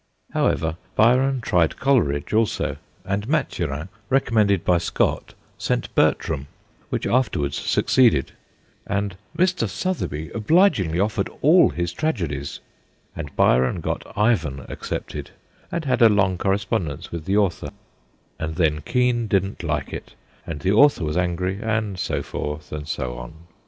However, Byron tried Coleridge also, and Maturin, recommended by Scott, sent Bertram, which afterwards succeeded, and 'Mr. Sotheby obligingly offered all his tragedies/ and Byron got Ivan accepted, and had a long correspondence with the author, and then Kean didn't like it, and the author was angry, and so forth and so on.